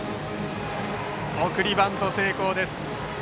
送りバント成功です。